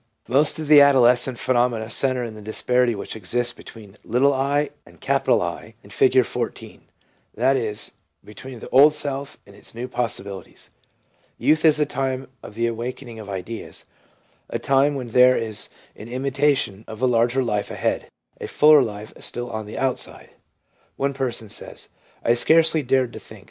Most of the adolescence phenomena centre in the disparity which exists between ' i ' and * I ' in Figure 14 — that is, between the old self and its new possibilities. Youth is the time of the awakening of ideals, a time when there is an intimation of a larger life ahead, a fuller life still on the outside. One person says, ' I scarcely dared to think.